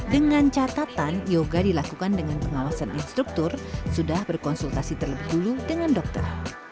dengan catatan yoga dilakukan dengan pengawasan instruktur sudah berkonsultasi terlebih dulu dengan dokter